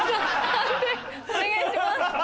判定お願いします。